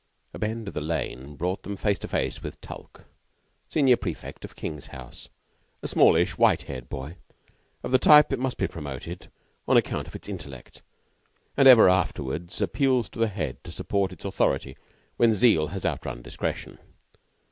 A bend of the lane brought them face to face with Tulke, senior prefect of King's house a smallish, white haired boy, of the type that must be promoted on account of its intellect, and ever afterwards appeals to the Head to support its authority when zeal has outrun discretion.